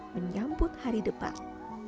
menyambut hari depan